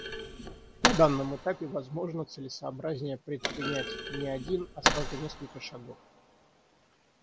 На данном этапе, возможно, целесообразнее предпринять не один, а сразу несколько шагов.